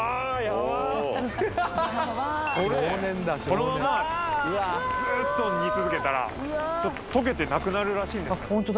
これこのままずっと煮続けたら溶けてなくなるらしいんです